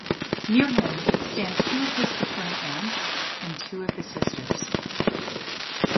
Near him stand two of his paternal aunts and two of his sisters.